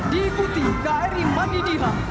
diikuti kri mandi diha